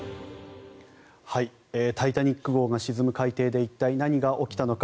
「タイタニック号」が沈む海底で一体、何が起きたのか。